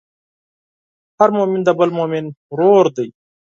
هر مؤمن د بل مؤمن ورور دی.